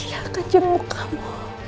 kehidupan jemput kamu